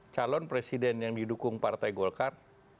calon presiden yang didukung partai golkar